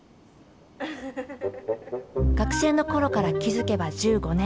学生の頃から気付けば１５年。